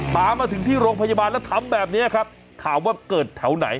มาถึงที่โรงพยาบาลแล้วทำแบบนี้ครับถามว่าเกิดแถวไหน